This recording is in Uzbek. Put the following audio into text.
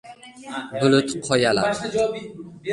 Bulut qoyaladi.